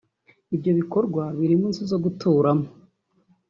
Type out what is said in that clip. Ibyo bikorwa birimo inzu zo guturamo